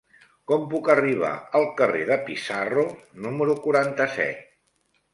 Com puc arribar al carrer de Pizarro número quaranta-set?